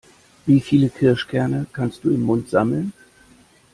Wie viele Kirschkerne kannst du im Mund sammeln?